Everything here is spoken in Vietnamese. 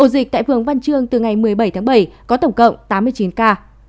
dịch tại phường văn trương từ ngày một mươi bảy bảy có tổng cộng tám mươi chín ca